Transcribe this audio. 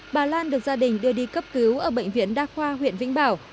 bà lan được gia đình đưa đi cấp cứu ở bệnh viện đa khoa huyện vĩnh bảo